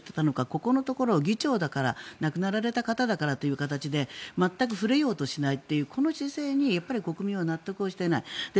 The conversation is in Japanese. ここのところを議長だから亡くなられた方だからという形で全く触れようとしないという姿勢に国民は納得をしていない。